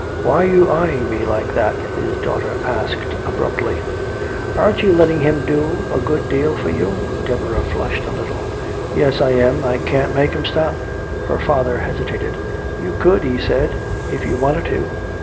"Why are you eyeing me like that?" his daughter asked abruptly. "Aren't you letting him do a good deal for you?" Deborah flushed a little: "Yes, I am. I can't make him stop." Her father hesitated. "You could," he said, "if you wanted to.